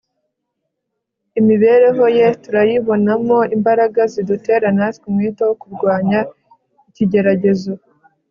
imibereho ye tuyibonamo imbaraga zidutera natwe umwete wo kurwanya ikigeragezo